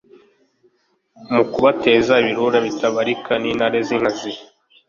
mu kubateza ibirura bitabarika n’intare z’inkazi,